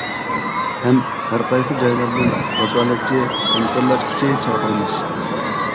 ھەم ھەرقايسى جايلاردىن ۋاكالەتچى ھەمكارلاشقۇچى چاقىرىمىز.